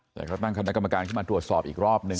เดี๋ยวขอตั้งคำนักกรรมการขึ้นมาตรวจสอบอีกรอบนึง